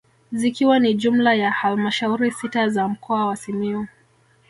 Zikiwa ni jumla ya halmashauri sita za mkoa wa Simiyu